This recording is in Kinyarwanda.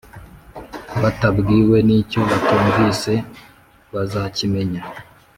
batabwiwe n icyo batumvise bazakimenya